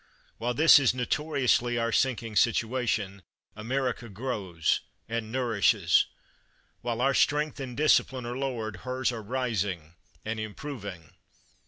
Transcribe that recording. While this is notoriously our sink ing situation, America grows and nourishes; while our strength and discipline are lowered, hers are rising and improving.